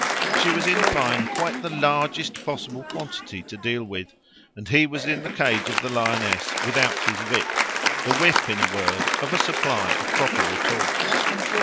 She was in fine quite the largest possible quantity to deal with; and he was in the cage of the lioness without his whip the whip, in a word, of a supply of proper retorts.